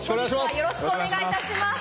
よろしくお願いします。